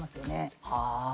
はあ！